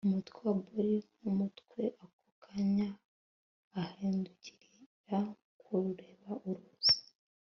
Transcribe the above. umutwe wa borie nkumutwe. ako kanya ahindukirira kureba uruzi